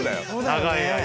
長い間。